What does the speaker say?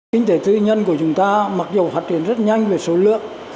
kinh tế tư nhân của chúng ta mặc dù phát triển rất nhanh về số lượng